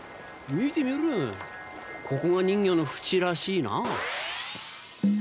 見てみろここが人魚の淵らしいな。